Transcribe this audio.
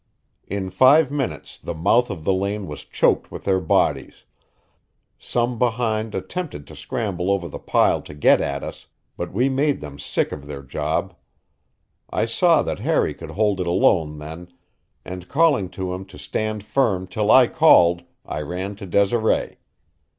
In five minutes the mouth of the lane was choked with their bodies; some behind attempted to scramble over the pile to get at us, but we made them sick of their job. I saw that Harry could hold it alone then, and calling to him to stand firm till I called, I ran to Desiree.